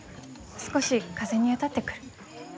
少し風に当たってくる。